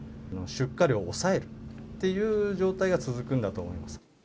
出荷量を抑えるっていう状態が続くんだと思います。